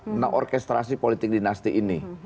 tentang orkestrasi politik dinasti ini